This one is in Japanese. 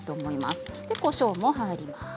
そして、こしょうも入ります。